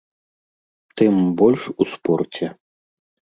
Тым больш у спорце.